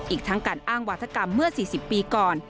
อีกทั้งการอ้างวาธกรรมเมื่อ๔๐ปีก่อน